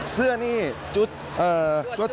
เสื้อนี่จุด